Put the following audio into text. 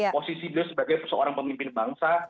posisi beliau sebagai seorang pemimpin bangsa